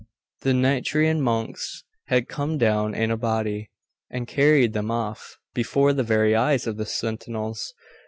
The Nitrian monks had come down in a body, and carried them off before the very eyes of the sentinels.